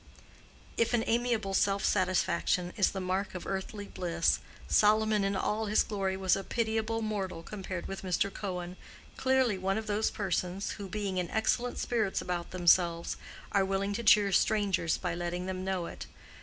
If an amiable self satisfaction is the mark of earthly bliss, Solomon in all his glory was a pitiable mortal compared with Mr. Cohen—clearly one of those persons, who, being in excellent spirits about themselves, are willing to cheer strangers by letting them know it.